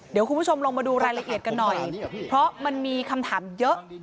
เดี๋ยวคุณผู้ชมลองมาดูรายละเอียดกันหน่อยเพราะมันมีคำถามเยอะ